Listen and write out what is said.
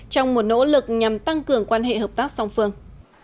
trong một nỗ lực nhằm tăng cường quan hệ hợp tác song phương